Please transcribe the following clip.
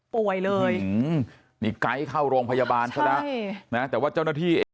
ป่วยเลยหือนี่ไกด์เข้าโรงพยาบาลใช่ไหมใช่นะแต่ว่าเจ้าหน้าที่